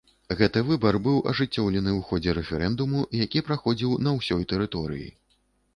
Гэты выбар быў ажыццёўлены ў ходзе рэферэндуму, які праходзіў на ўсёй тэрыторыі.